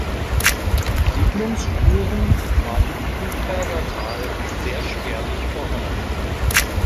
Siedlungsspuren waren im Puchberger Tal sehr spärlich vorhanden.